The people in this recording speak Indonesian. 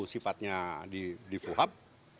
sifatnya di fuhab